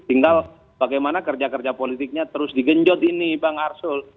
tinggal bagaimana kerja kerja politiknya terus digenjot ini bang arsul